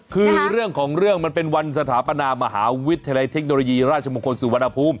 คือเรื่องของเรื่องมันเป็นวันสถาปนามหาวิทยาลัยเทคโนโลยีราชมงคลสุวรรณภูมิ